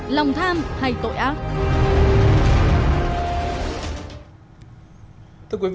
lòng tham hay tội ác